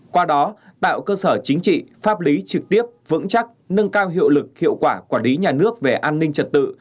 qua đó tạo cơ sở chính trị pháp lý trực tiếp vững chắc nâng cao hiệu lực hiệu quả quản lý nhà nước về an ninh trật tự